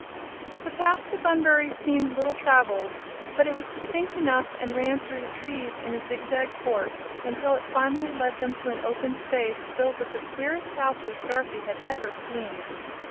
The path to Bunbury seemed little traveled, but it was distinct enough and ran through the trees in a zigzag course until it finally led them to an open space filled with the queerest houses Dorothy had ever seen.